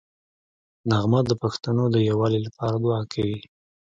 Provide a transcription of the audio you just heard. نغمه د پښتنو د یووالي لپاره دوعا کوي